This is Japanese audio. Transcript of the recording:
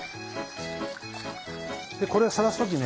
これさらす時ね